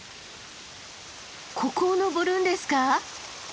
ここを登るんですか？